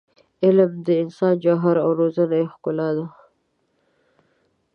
علم د انسان جوهر او روزنه یې ښکلا ده.